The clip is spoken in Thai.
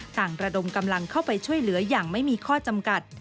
ระดมกำลังเข้าไปช่วยเหลืออย่างไม่มีข้อจำกัด